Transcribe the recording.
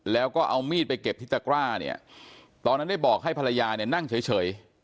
แล้วก็เอามีดไปเก็บที่ตะกร้าเนี่ยตอนนั้นได้บอกให้ภรรยาเนี่ยนั่งเฉย